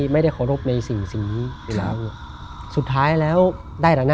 ไม่ได้ขอรบในสิ่งนี้